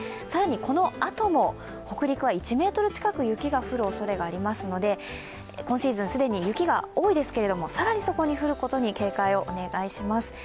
更にこのあとも北陸は１ｍ近く雪が降るおそれがありますので今シーズン、既に雪が多いですけれども更にそこに降ることに警戒をお願いします。